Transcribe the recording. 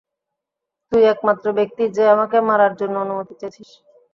তুই একমাত্র ব্যক্তি যে আমাকে মারার জন্য অনুমতি চেয়েছিস।